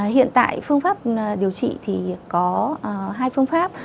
hiện tại phương pháp điều trị thì có hai phương pháp